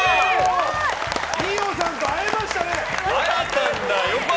二葉さんと会えましたね！